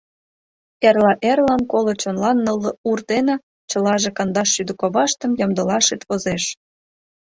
— Эрла эрлан коло чонлан нылле ур дене, чылаже кандаш шӱдӧ коваштым, ямдылашет возеш.